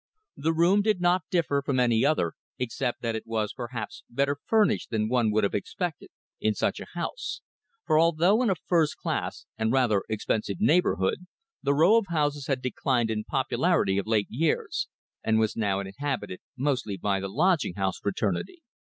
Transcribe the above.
The room did not differ from any other, except that it was perhaps better furnished than one would have expected in such a house, for although in a first class and rather expensive neighbourhood the row of houses had declined in popularity of late years, and was now inhabited mostly by the lodging house fraternity.